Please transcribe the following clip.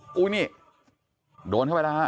โอ้โหนี่โดนเข้าไปแล้วค่ะ